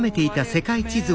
世界地図？